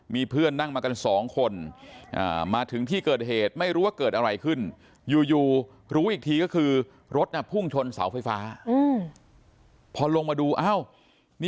มีเพื่อนนั่งมากัน๒คนอ่ามาถึงที่เกิดเหตุไม่รู้ว่าเกิดอะไรขึ้น